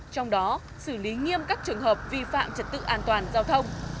trong đó xử lý nghiêm các trường hợp vi phạm trật tự an toàn giao thông